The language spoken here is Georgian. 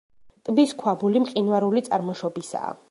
ტბის ქვაბული მყინვარული წარმოშობისაა.